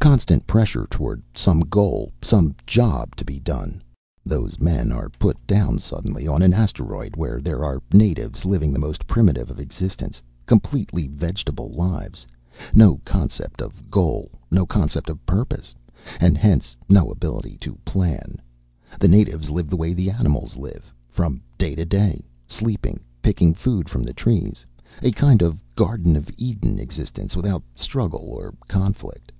Constant pressure toward some goal, some job to be done. "Those men are put down suddenly on an asteroid where there are natives living the most primitive of existence, completely vegetable lives. No concept of goal, no concept of purpose, and hence no ability to plan. The natives live the way the animals live, from day to day, sleeping, picking food from the trees. A kind of Garden of Eden existence, without struggle or conflict."